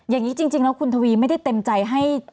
อย่างนี้จริงแล้วคุณทวีไม่ได้เต็มใจให้